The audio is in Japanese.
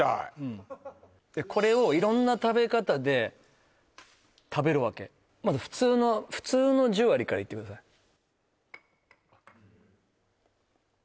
これを色んな食べ方で食べるわけまず普通の普通の十割からいってください